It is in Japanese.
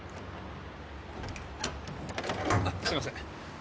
あっすいません。